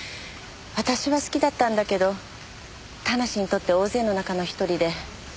私は好きだったんだけど田無にとっては大勢の中の一人で。